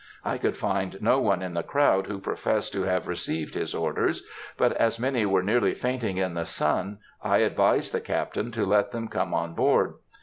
I could find no one in the crowd who professed to have received his orders, but, as many were nearly fainting in the sun, I advised the Captain to let them come on board.